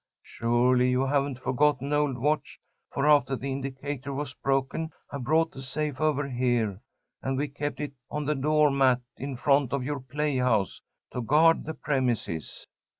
Surely you haven't forgotten old Watch, for after the indicator was broken I brought the safe over here, and we kept it on the door mat in front of your playhouse, to guard the premises."